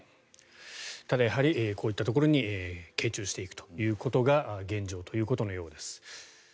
ただやはりこういったところに傾注していくということが現状ということのようです。